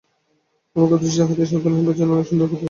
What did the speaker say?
আমাকে প্রতিষ্ঠা হইতে সাবধান হইবার জন্য অনেক সুন্দর উপদেশ দিয়াছেন।